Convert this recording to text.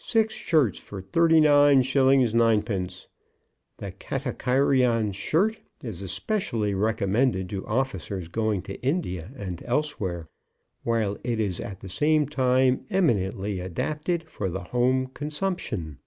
Six Shirts for 39_s._ 9_d._ The Katakairion Shirt is specially recommended to Officers going to India and elsewhere, while it is at the same time eminently adapted for the Home Consumption.